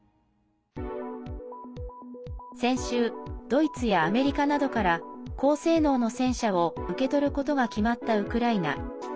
先週ドイツやアメリカなどから高性能の戦車を受け取ることが決まったウクライナ。